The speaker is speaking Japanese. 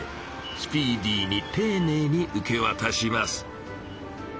スピーディーにていねいに受けわたします。